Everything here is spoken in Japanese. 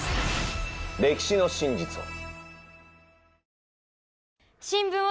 歴史の真実を。